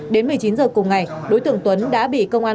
đến một mươi chín h cùng ngày đối tượng tuấn đã bị công an